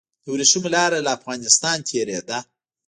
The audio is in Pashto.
د وریښمو لاره له افغانستان تیریده